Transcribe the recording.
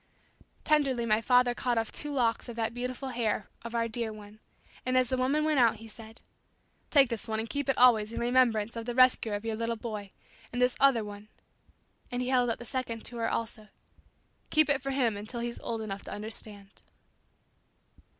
Tenderly my father cut off two locks of that beautiful hair of our dear one, and as the woman went out he said. "Take this one and keep it always in remembrance of the rescuer of your little boy; and this other one," and he held out the second to her also, "keep it for him until he's old enough to understand."